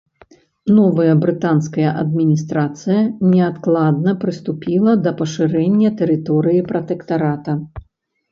Новая брытанская адміністрацыя неадкладна прыступіла да пашырэння тэрыторыі пратэктарата.